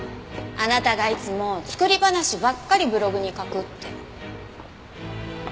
あなたがいつも作り話ばっかりブログに書くって。